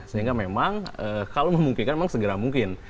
sehingga memang kalau memungkinkan memang segera mungkin